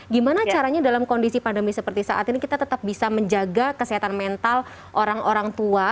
gimana caranya dalam kondisi pandemi seperti saat ini kita tetap bisa menjaga kesehatan mental orang orang tua